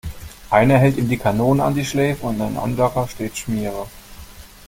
Einer hält ihm die Kanone an die Schläfe und ein anderer steht Schmiere.